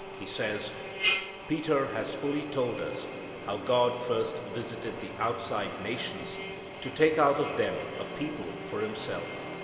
He says: "Peter has fully told us how God first visited the outside nations to take out of them a people for Himself.